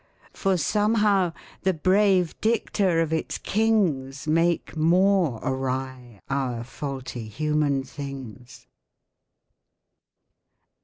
For somehow the brave dicta of its kings Make more awry our faulty human things